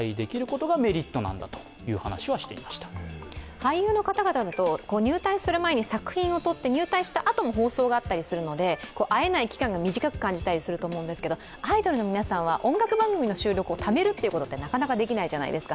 俳優の方々だと入隊する前に作品を撮って入隊したあとに放送があったりするので会えない期間が短く感じたりすると思うんですけど、アイドルの皆さんは音楽番組の収録をためることはなかなかできないじゃないですか。